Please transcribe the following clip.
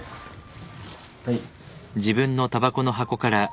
はい。